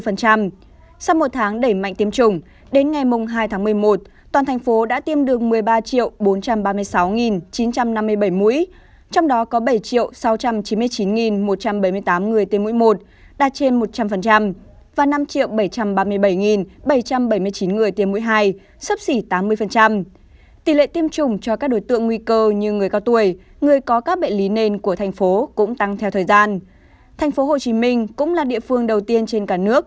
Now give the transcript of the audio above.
sau một tháng đẩy mạnh tiêm chủng đến ngày mùng hai tháng một mươi một toàn thành phố đã tiêm được một mươi ba bốn trăm ba mươi sáu chín trăm năm mươi bảy mũi trong đó có bảy sáu trăm chín mươi chín một trăm bảy mươi tám người tiêm mũi một đạt trên một trăm linh